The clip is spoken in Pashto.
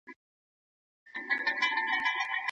لا یې منځ د شنه ځنګله نه و لیدلی